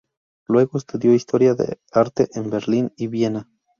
Luego, estudió historia de arte en Berlín y Viena.